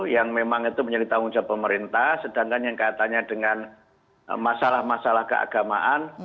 yang memang itu menjadi tanggung jawab pemerintah sedangkan yang kaitannya dengan masalah masalah keagamaan